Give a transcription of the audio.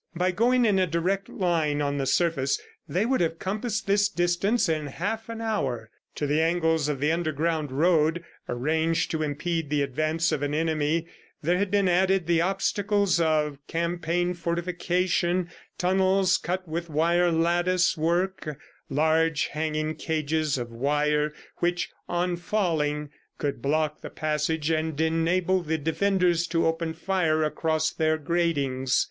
By going in a direct line on the surface they would have compassed this distance in half an hour. To the angles of the underground road, arranged to impede the advance of an enemy, there had been added the obstacles of campaign fortification, tunnels cut with wire lattice work, large hanging cages of wire which, on falling, could block the passage and enable the defenders to open fire across their gratings.